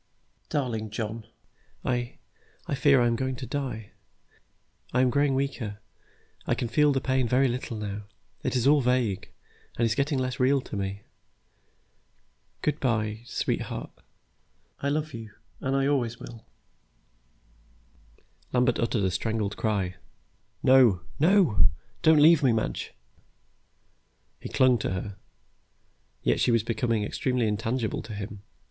"Darling John, I I fear I am really going to die. I am growing weaker. I can feel the pain very little now. It is all vague, and is getting less real to me. Good by, sweetheart, I love you, and I always will " Lambert uttered a strangled cry, "No, no. Don't leave me, Madge." He clung to her, yet she was becoming extremely intangible to him.